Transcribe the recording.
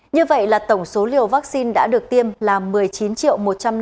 như vậy là tổng số liều vaccine đã được tiêm là một mươi chín một trăm năm mươi một một trăm hai mươi hai liều